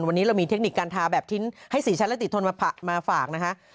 วันนี้เรามีเทคนิคการทาแบบชิ้นให้สีชั้นและติดทนมาฝากนะคะ